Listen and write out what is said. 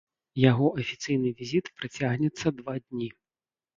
Яго афіцыйны візіт працягнецца два дні.